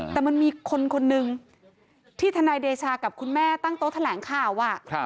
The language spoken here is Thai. แต่มันมีคนคนหนึ่งที่ทนายเดชากับคุณแม่ตั้งโต๊ะแถลงข่าว